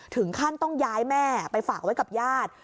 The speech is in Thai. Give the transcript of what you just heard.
ถึงขั้นต้องย้ายแม่ไปฝากไว้กับญาติ